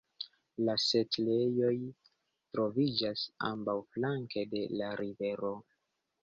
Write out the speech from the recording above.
La setlejoj troviĝas ambaŭflanke de la rivero.